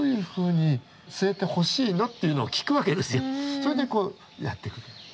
それでこうやってくる。